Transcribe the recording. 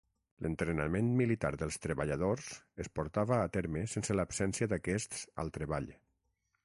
L'entrenament militar dels treballadors es portava a terme sense l'absència d'aquests al treball.